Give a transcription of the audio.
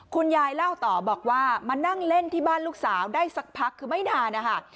เล่าต่อบอกว่ามานั่งเล่นที่บ้านลูกสาวได้สักพักคือไม่นานนะคะ